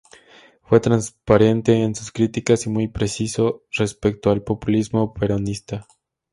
Fue transparente en sus críticas y muy preciso respecto del populismo peronista.